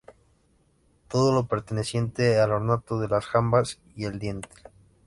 Todo lo perteneciente al ornato de las jambas y el dintel.